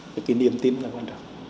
cái niềm tin là quan trọng